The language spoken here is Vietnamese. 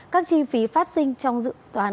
các chi phí phát sinh trong dự toán